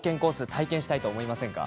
体験したいと思いませんか？